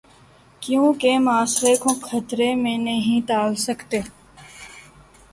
کیونکہ معاشرے کو خطرے میں نہیں ڈال سکتے۔